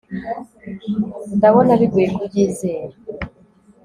Ndabona bigoye kubyizera